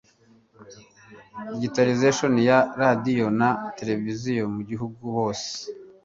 digitalization ya radio na television mu gihugu hose